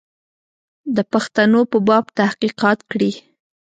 د پښتنو په باب تحقیقات کړي.